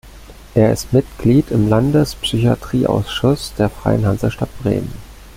Er ist Mitglied im Landes-Psychiatrieausschuss der Freien Hansestadt Bremen.